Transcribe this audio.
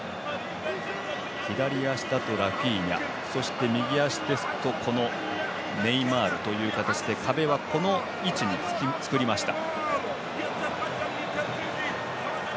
左足だとラフィーニャそして、右足ですとこのネイマールという形で壁はこの位置に作りました。